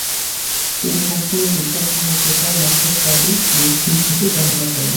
তিনি সম্পূর্ণ বিজ্ঞানসম্মত উপায়ে নক্ষত্রাদি নির্ভুলভাবে গণনা করেন।